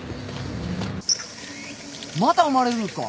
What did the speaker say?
また生まれるんすか？